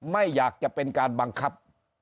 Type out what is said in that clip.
ไม่อยากจะเป็นการบังคับ